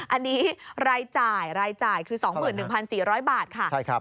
อันนี้รายจ่ายรายจ่ายคือ๒๑๔๐๐บาทค่ะ